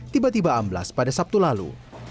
tiba tiba amblas pada sabtu lalu